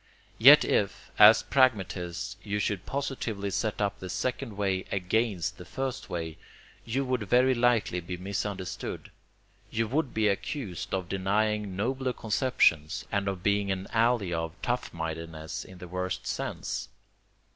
Yet if, as pragmatists, you should positively set up the second way AGAINST the first way, you would very likely be misunderstood. You would be accused of denying nobler conceptions, and of being an ally of tough mindedness in the worst sense.